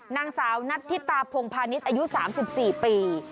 นางสาวนัทธิตาพงพาณิชย์อายุ๓๔ปี